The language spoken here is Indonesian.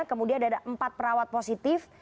kemudian ada empat perawat positif